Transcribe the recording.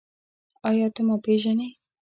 ایا ته ما پېژنې؟